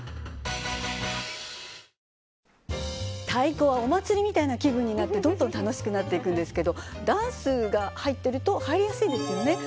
太鼓はお祭りみたいな気分になって、どんどん楽しくなっていくんですけどダンスが入っていると入りやすいですよね。